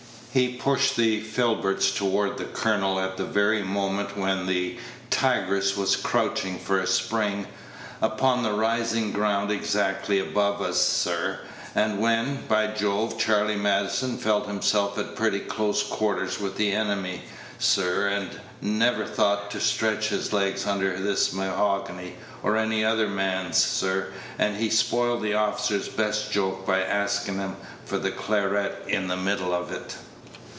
He pushed the filberts toward the colonel at the very moment when "the tigress was crouching for a spring, upon the rising ground exactly above us, sir, and when, by Jove, Charley Maddison felt himself at pretty close quarters with the enemy, sir, and never thought to stretch his legs under this mahogany, or any other man's, sir;" and he spoiled the officer's best joke by asking him for the claret in the middle of it.